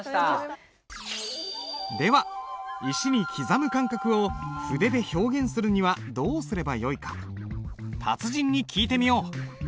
では石に刻む感覚を筆で表現するにはどうすればよいか達人に聞いてみよう。